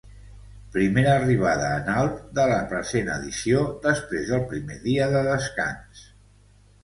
Primera arribada en alt de la present edició, després del primer dia de descans.